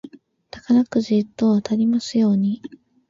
宝くじ一等当たりますように。